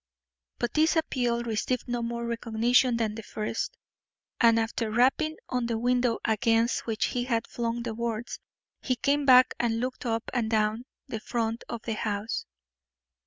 But this appeal received no more recognition than the first, and after rapping on the window against which he had flung the words, he came back and looked up and down the front of the house.